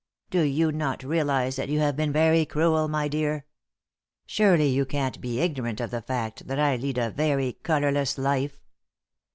Do you not realize that you have been very cruel, my dear? Surely you can't be ignorant of the fact that I lead a very colorless life.